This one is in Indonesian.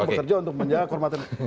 bekerja untuk menjaga kehormatan